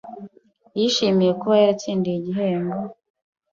Yishimiye kuba yaratsindiye igihembo